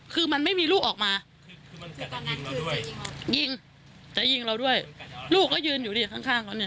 คือมันไม่มีลูกออกมายิงจะยิงเราด้วยลูกก็ยืนอยู่ดีข้าง